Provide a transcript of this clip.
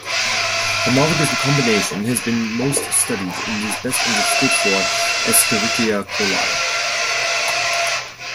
Homologous recombination has been most studied and is best understood for "Escherichia coli".